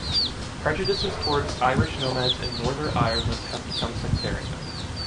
Prejudices towards Irish nomads in Norther Ireland have become sectarian.